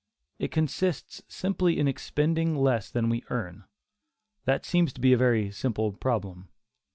It consists simply in expending less than we earn; that seems to be a very simple problem.